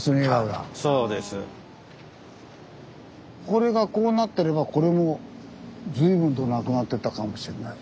これがこうなってればこれも随分となくなってったかもしれない。